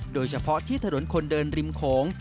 โดยเฉพาะที่ถนนคนเดินริมโขง